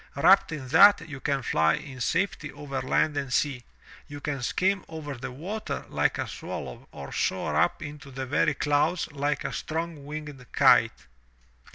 Wrapped in that, you can fly in safety over land and sea; you can skim over the water like a swallow or soar up into the very clouds like a strong winged kite."